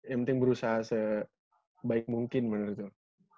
yang penting berusaha sebaik mungkin menurut saya